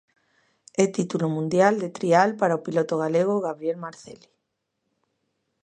E título mundial de trial para o piloto galego Gabriel Marcelli.